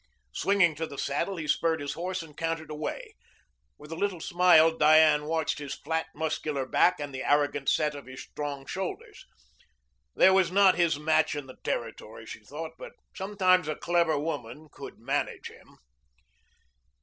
Swinging to the saddle, he spurred his horse and cantered away. With a little smile Diane watched his flat, muscular back and the arrogant set of his strong shoulders. There was not his match in the territory, she thought, but sometimes a clever woman could manage him.